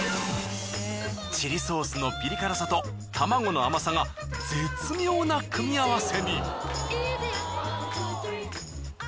チリソースのピリ辛さと玉子の甘さが絶妙な組み合わせに。